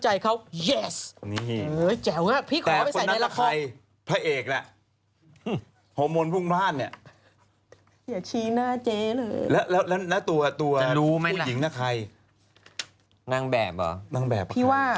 จะรู้หมั้ยล่ะนางแบบหรอพี่ว่านางแบบหรอ